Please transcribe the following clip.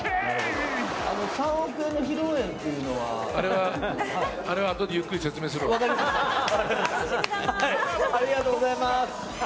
３億円の披露宴っていうあれは後でゆっくり説明ありがとうございます。